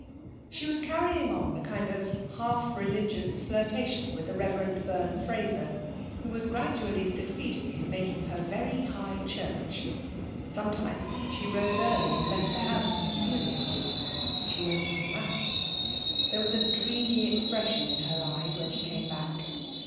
She was carrying on a kind of half religious flirtation with the Rev. Byrne Fraser, who was gradually succeeding in making her very high church. Sometimes she rose early and left the house mysteriously. She went to Mass. There was a dreamy expression in her eyes when she came back.